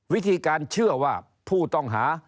วิธีการเชื่อว่าผู้ต้องหา